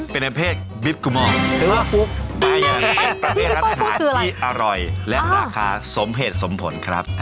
เป็นอันเพศบิ๊บกุมอลประเทศรักษณะที่อร่อยและราคาสมเหตุสมผลครับ